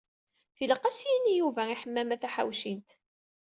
Tilaq ad as-yini Yuba i Ḥemmama Taḥawcint.